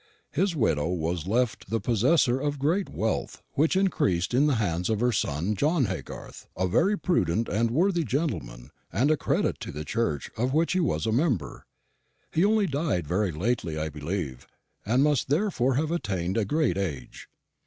His widow was left the possessor of great wealth, which increased in the hands of her son John Haygarth, a very prudent and worthy gentleman, and a credit to the Church of which he was a member. He only died very lately, I believe, and must therefore have attained a great age."